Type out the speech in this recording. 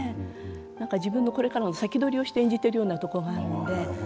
何か自分のこれからを先取りして演じてるようなところがあるので。